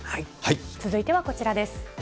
続いてはこちらです。